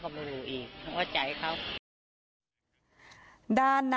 เพราะไม่เคยถามลูกสาวนะว่าไปทำธุรกิจแบบไหนอะไรยังไง